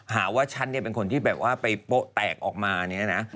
หาว่าฉันเนี่ยเป็นคนที่แบบว่าไปโป๊ะแตกออกมาเนี่ยนะ